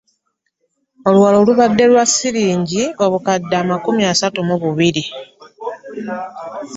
Oluwalo lubadde lwa siringi obukadde amakumi asatu mu bubiri.